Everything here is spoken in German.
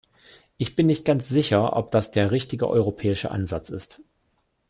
Ich bin nicht ganz sicher, ob das der richtige europäische Ansatz ist.